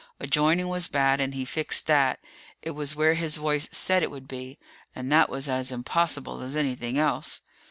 A joining was bad and he fixed that. It was where his voice had said it would be. And that was as impossible as anything else.